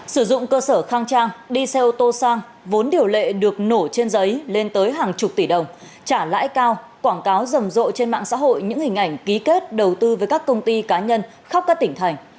sử dụng cơ sở khang trang đi xe ô tô sang vốn điều lệ được nổ trên giấy lên tới hàng chục tỷ đồng trả lãi cao quảng cáo rầm rộ trên mạng xã hội những hình ảnh ký kết đầu tư với các công ty cá nhân khắp các tỉnh thành